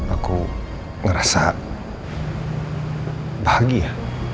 aku ngerasa bahagia